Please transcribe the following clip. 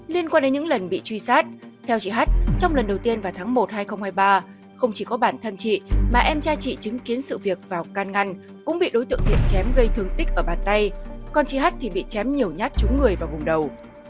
liên quan đến những lần bị truy sát theo chị hát trong lần đầu tiên vào tháng một hai nghìn hai mươi ba không chỉ có bản thân chị mà em trai chị chứng kiến sự việc vào can ngăn cũng bị đối tượng hiệp chém gây thương tích ở bàn tay con chị h thì bị chém nhiều nhát trúng người vào vùng đầu